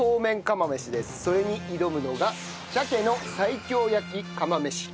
それに挑むのが鮭の西京焼き釜飯。